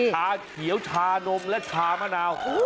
ชาเขียวชานมและชามะนาว